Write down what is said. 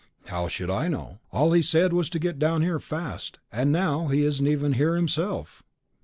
"How should I know? All he said was to get down here fast. And now he isn't even here himself."